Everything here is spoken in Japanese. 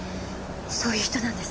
そういう人なんです。